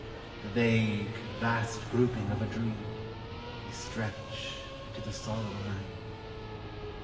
The vague, vast grouping of a dream, They stretch into the solemn night.